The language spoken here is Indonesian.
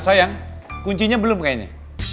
sayang kuncinya belum kayaknya